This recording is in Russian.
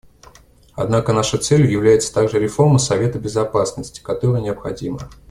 Однако нашей целью является также реформа Совета Безопасности, которая необходима.